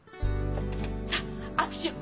さあ握手！